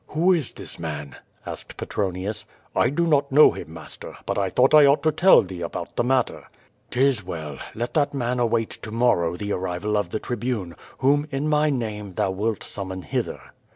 "Who is this man?" asked Petronius. "I do not know him, master, but I thought I ought to tell thee about the matter." " 'Tis well. Let that man await to morrow the arrival of the Tribune, wliom in my name thou wilt summon hither."